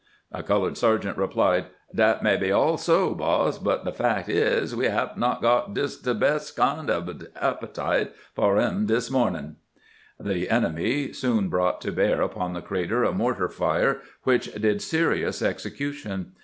A colored sergeant replied :" Dat may be all so, boss ; but the fac' is, we hab n't got jis de bes' kind ob an appetite for 'em dis mornin'." The enemy soon brought to bear upon the crater a mortar fire, which did serious execution.